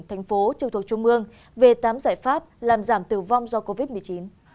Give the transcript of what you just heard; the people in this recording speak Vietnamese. thành phố trường thuộc trung mương về tám giải pháp làm giảm tử vong do covid một mươi chín